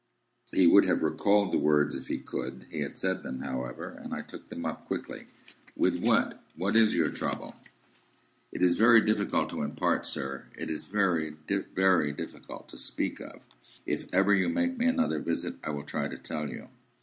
He would have recalled the words if he could. He had said them, however, and I took them up quickly. "With what? What is your trouble?" "It is very difficult to impart, sir. It is very, very difficult to speak of. If ever you make me another visit, I will try to tell you."